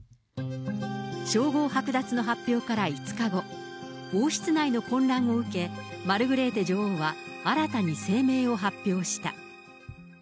称号剥奪の発表から５日後、王室内の混乱を受け、マルグレーテ女王は新たに声明を発表した。